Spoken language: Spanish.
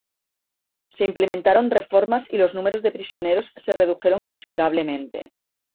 Se implementaron reformas y los números de prisioneros se redujeron considerablemente.